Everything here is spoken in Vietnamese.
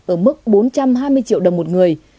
ở mức bốn trăm hai mươi triệu đồng một người